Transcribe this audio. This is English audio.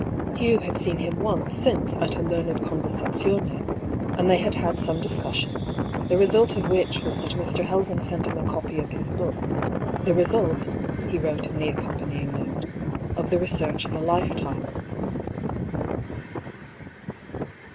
Hugh had seen him once since at a learned conversazione, and they had had some discussion, the result of which was that Mr. Helven sent him a copy of his book, " The result," he wrote in the accompanying note, " of the research of a lifetime."